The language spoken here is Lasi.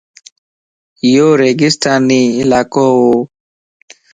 ايو ريگستاني علاقو وَ